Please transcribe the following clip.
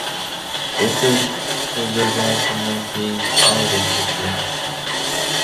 Бул сөздөрдү айткандан кийин ал рингден чыгып кеткен.